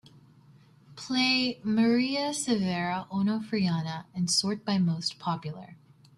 Play Maria Severa Onofriana and sort by most popular.